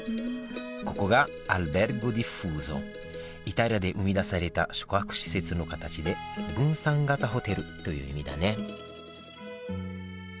ここがイタリアで生み出された宿泊施設の形で「分散型ホテル」という意味だね